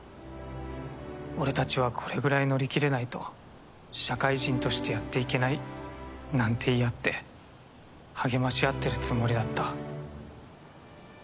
俺たちはこれぐらい乗り切れないと社会人としてやっていけないなんて言い合って励まし合ってるつもりだった。